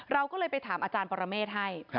เราก็เลยไปถามอาจารย์ปรเมฆให้